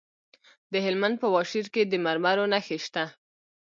د هلمند په واشیر کې د مرمرو نښې شته.